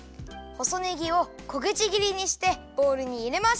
細ねぎをこぐちぎりしてボウルにいれます。